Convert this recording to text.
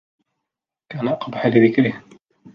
كَانَ أَقْبَحَ لِذِكْرِهِ